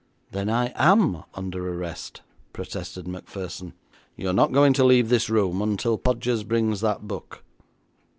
'Then I am under arrest,' protested Macpherson. 'You're not going to leave this room until Podgers brings that book.'